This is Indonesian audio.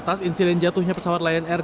atas insiden jatuhnya pesawat lion air